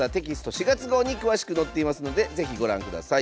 ４月号に詳しく載っていますので是非ご覧ください。